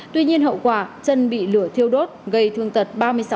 tuy nhiên hậu quả chân bị lửa thiêu đốt gây thương tật ba mươi sáu